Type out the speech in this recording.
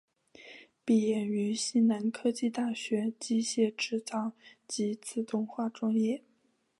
毕业于西南科技大学机械制造及自动化专业。